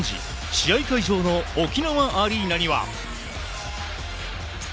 試合会場の沖縄アリーナには。